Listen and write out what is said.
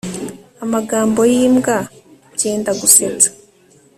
amagambo yimbwa byendagusetsa